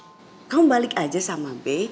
dan kamu paling gak juga menang sama b